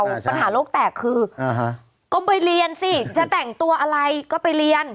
ปัญหาโลกแตกคือก้มไปเรียนสิจะแต่งตัวอะไรก็ไปเรียน